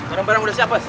barang barang udah siap pas